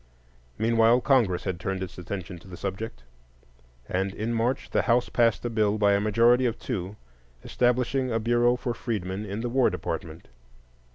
Meanwhile Congress had turned its attention to the subject; and in March the House passed a bill by a majority of two establishing a Bureau for Freedmen in the War Department.